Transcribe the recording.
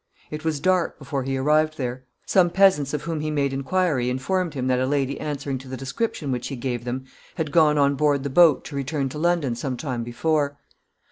It was dark before he arrived there. Some peasants of whom he made inquiry informed him that a lady answering to the description which he gave them had gone on board the boat to return to London some time before.